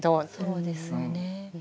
そうですよね。